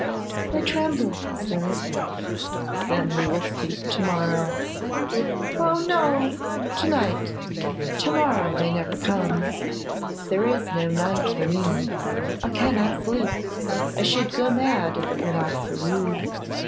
'I tremble, sir.' 'Then we will speak to morrow.' 'Oh! no, to night. To morrow may never come. There is no night for me; I cannot sleep. I should go mad if it were not for you.